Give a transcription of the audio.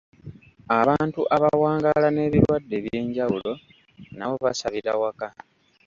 Abantu abawangaala n'ebirwadde eby'enjawulo nabo basabira waka.